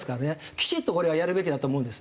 きちんとこれはやるべきだと思うんです。